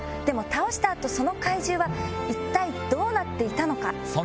でも倒した後その怪獣は一体どうなっていたのか？